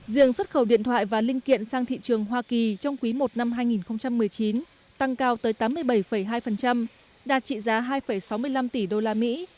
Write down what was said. riêng xuất khẩu điện thoại và linh kiện sang thị trường hoa kỳ trong quý i năm hai nghìn một mươi chín tăng cao tới tám mươi bảy hai đạt trị giá hai sáu mươi năm tỷ đô la mỹ